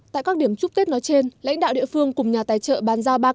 tại các điểm chúc tết nói trên lãnh đạo địa phương cùng nhà tài trợ bán ra ba tỉnh